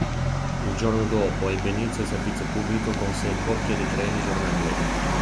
Il giorno dopo ebbe inizio il servizio pubblico con sei coppie di treni giornalieri.